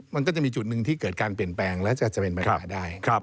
มันก็จะมีจุดหนึ่งที่เกิดการเปลี่ยนแปลงและจะเป็นปัญหาได้